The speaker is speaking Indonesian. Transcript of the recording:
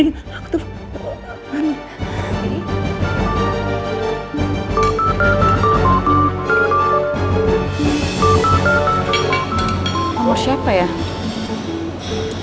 gatis untuk pergi dari usia alegali